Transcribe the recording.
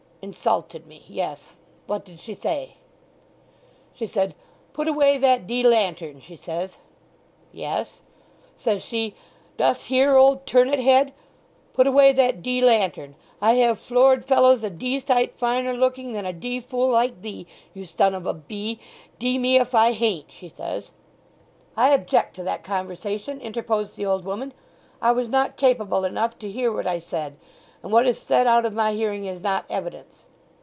"'Insulted me.' ...Yes, what did she say?" "She said, 'Put away that dee lantern,' she says." "Yes." "Says she, 'Dost hear, old turmit head? Put away that dee lantern. I have floored fellows a dee sight finer looking than a dee fool like thee, you son of a bee, dee me if I haint,' she says. "I object to that conversation!" interposed the old woman. "I was not capable enough to hear what I said, and what is said out of my hearing is not evidence."